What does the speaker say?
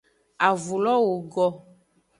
Avulo wogo.